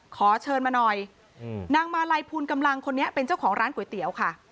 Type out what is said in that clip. ขอเชิญมาหน่อยนางมาลัยภูลกำลังคนนี้เป็นเจ้าของร้านก๋วยเตี๋ยวค่ะ